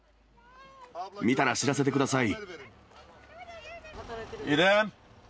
見たら知らせてください。